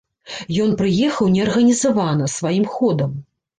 Ён прыехаў неарганізавана, сваім ходам.